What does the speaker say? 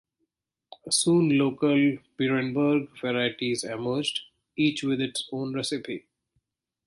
Soon local Beerenburg varieties emerged, each with its own recipe.